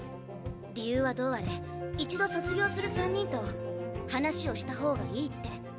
理由はどうあれ一度卒業する３人と話をした方がいいって。